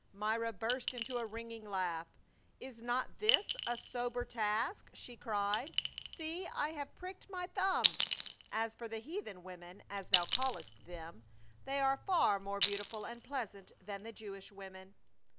Myra burst into a ringing laugh. " Is not this a sober task?" she cried. "See, I have pricked my thumb. As for the heathen women, as thou callest them, they are far more beautiful and pleasant than the Jewish women."